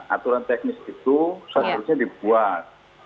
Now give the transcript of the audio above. aturan teknis itu seharusnya dibuat